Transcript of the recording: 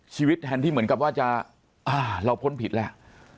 แทนที่เหมือนกับว่าจะเราพ้นผิดแล้ว